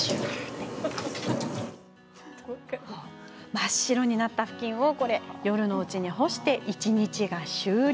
真っ白になったふきんを夜のうちに干して、一日が終了。